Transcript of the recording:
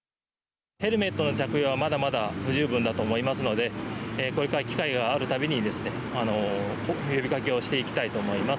ヘルメットの着用はまだまだ不十分だと思いますのでこれから機会があるたびに呼びかけをしていきたいと思います。